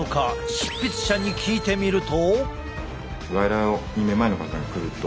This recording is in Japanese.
執筆者に聞いてみると。